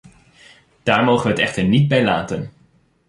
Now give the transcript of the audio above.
Daar mogen we het echter niet bij laten.